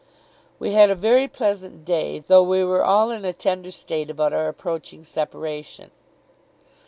We had a very pleasant day, though we were all in a tender state about our approaching separation.